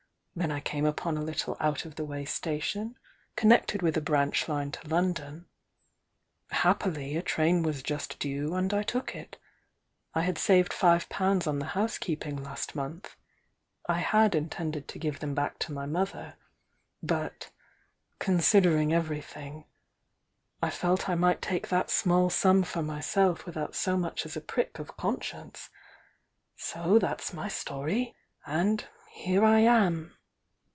Then I came upon a little out of the way station connected with a branch line to Lon don — happily a train was just due, and I took it. I had saved five pounds on the housekeeping last month, — I had intended to give them back to my mother — but — considering everything — I felt I might take that small sum for myself without so much as a prick of conscience! So that's my story — and here I am!"